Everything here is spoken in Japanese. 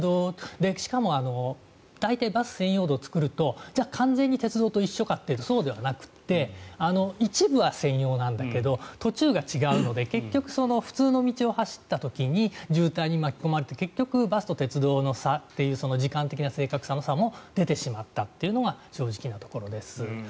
しかもバス専用道を作ると大体じゃあ、完全に鉄道と一緒かというとそうではなくて一部は専用なんだけど途中が違うので普通の道を走った時に渋滞に巻き込まれて結局、バスと鉄道という時間的な正確の差も出てしまったというのが正直なところです。